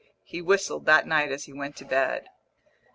He whistled that night as he went to bed.